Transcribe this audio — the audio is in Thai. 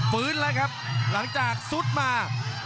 ฟื้นแล้วครับหลังจากซุดมา